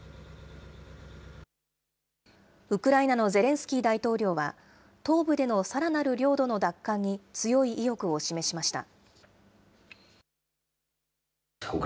ウクライナのゼレンスキー大統領は、東部でのさらなる領土の奪還に強い意欲を示しました。